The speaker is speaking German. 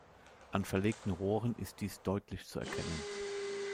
An verlegten Rohren ist dies deutlich zu erkennen.